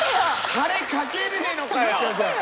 タレかけねえのかよ！